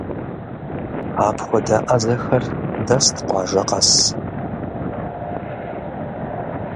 Апхуэдэ ӏэзэхэр дэст къуажэ къэс.